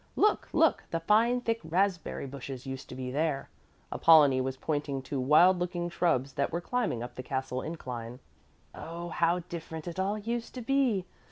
Look, look! the fine, thick raspberry bushes used to be there." Apollonie was pointing to wild looking shrubs that were climbing up the castle incline. "Oh, how different it all used to be!